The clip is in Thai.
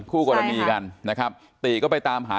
คู่กรณีกันนะครับตีก็ไปตามหา